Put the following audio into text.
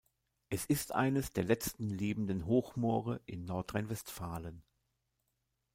Es ist eines der letzten lebenden Hochmoore in Nordrhein-Westfalen.